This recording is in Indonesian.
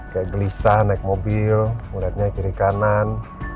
kayak gelisah naik mobil mulai nyatir kanan